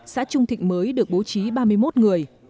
xã trung thịnh mới được bố trí ba mươi một người